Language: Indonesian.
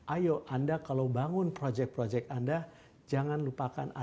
ayo anda kalau bangun project project anda jangan lupakan aspek social and economic